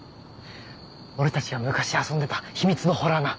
俺たちが昔遊んでた秘密の洞穴。